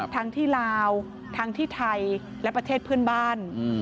ทั้งที่ลาวทั้งที่ไทยและประเทศเพื่อนบ้าน